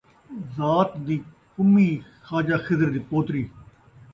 ذات دی کمی ، خواجہ خضر دی پوتری